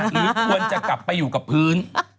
หรือควรจะกลับไปอยู่กับพื้น